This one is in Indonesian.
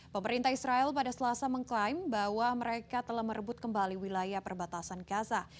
pemerintah israel pada selasa mengklaim bahwa mereka telah merebut kembali wilayah perbatasan gaza